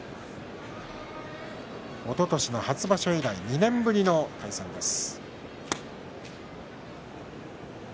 おととしの初場所以来２年ぶりの対戦です。